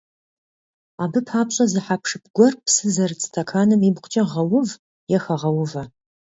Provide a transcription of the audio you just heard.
Абы папщӀэ зы хьэпшып гуэр псы зэрыт стэканым ибгъукӀэ гъэув е хэгъэувэ.